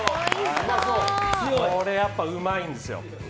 これ、やっぱりうまいんですよ。